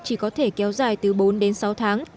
chỉ có thể kéo dài từ bốn đến sáu tháng